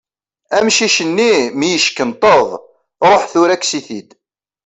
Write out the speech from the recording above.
Amcic-nni, mi yeckenṭeḍ, ṛuḥ tura kkes-it-id.